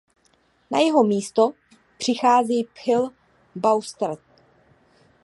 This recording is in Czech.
Na jeho místo přichází Phil Buerstatte.